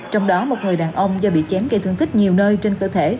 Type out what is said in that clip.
trong đó một người đàn ông do bị chém gây thương tích nhiều nơi trên cơ thể